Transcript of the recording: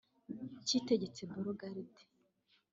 Cyitegetse Bogarde